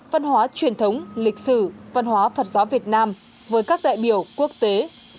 văn hóa truyền thống lịch sử văn hóa phật giáo việt nam với các đại biểu quốc tế